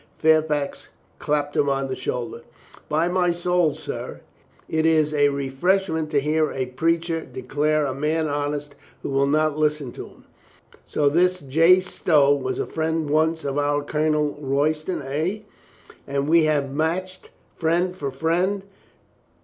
Fairfax clapped him on the shoulder. "By my soul, sir, it is a refreshment to hear a preacher de clare a man honest who will not listen to him. So this J. Stow was a friend once of our Colonel Roy ston, eh ? And we have matched friend for friend.